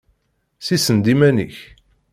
Sissen-d iman-ik!